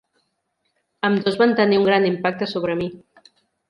Ambdós van tenir un gran impacte sobre mi.